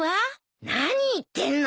何言ってんの。